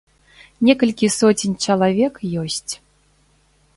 Некалькі соцень чалавек ёсць.